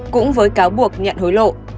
cũng với cáo buộc nhận hối lộ